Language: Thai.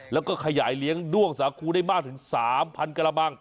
แล้วก็ขยายเลี้ยงด้วงสาคูได้มากถึง๓๐๐กระบัง